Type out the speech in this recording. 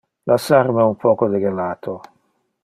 Lassar me un poco de gelato.